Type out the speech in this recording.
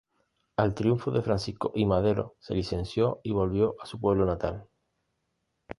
Al triunfo de Francisco I. Madero se licenció y volvió a su pueblo natal.